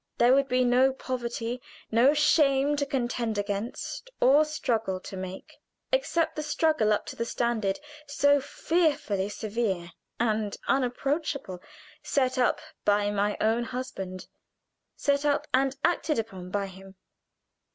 There would be no poverty, no shame to contend against no struggle to make, except the struggle up to the standard so fearfully severe and unapproachable, set up by my own husband. Set up and acted upon by him.